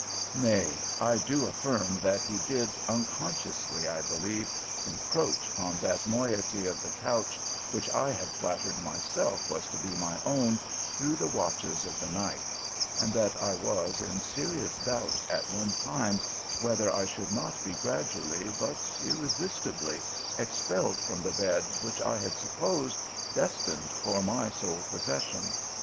Nay, I do affirm that he did, unconsciously, I believe, encroach on that moiety of the couch which I had flattered myself was to be my own through the watches of the night, and that I was in serious doubt at one time whether I should not be gradually, but irresistibly, expelled from the bed which I had supposed destined for my sole possession.